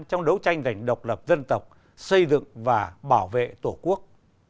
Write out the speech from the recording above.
trong đấu tranh giành độc lập dân tộc xây dựng và bảo vệ tổ quốc